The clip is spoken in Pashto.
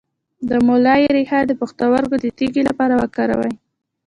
د مولی ریښه د پښتورګو د تیږې لپاره وکاروئ